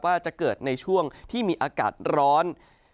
ว่าจะเกิดในช่วงที่มีอากาศร้อน